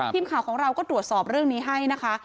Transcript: ทีมข่าวของเราก็ตรวจสอบเรื่องนี้ให้นะคะ